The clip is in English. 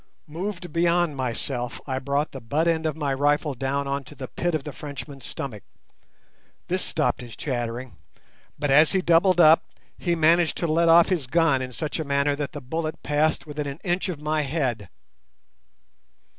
Moved beyond myself, I brought the butt end of my rifle down on to the pit of the Frenchman's stomach. This stopped his chattering; but, as he doubled up, he managed to let off his gun in such a manner that the bullet passed within an inch of my head.